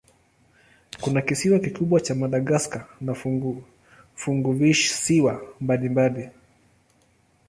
Kuna kisiwa kikubwa cha Madagaska na funguvisiwa mbalimbali.